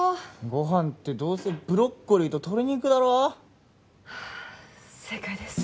ご飯ってどうせブロッコリーと鶏肉だろ正解です